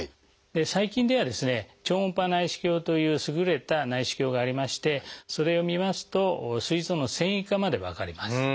最近では超音波内視鏡という優れた内視鏡がありましてそれを見ますとすい臓の線維化まで分かります。